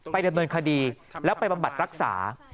ดำเนินคดีแล้วไปบำบัดรักษา